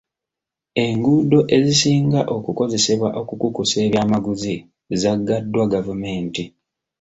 Enguudo ezisinga okukozesebwa okukukusa ebyamaguzi zaggaddwa gavumenti.